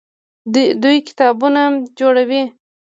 دوی کتابتونونه جوړوي.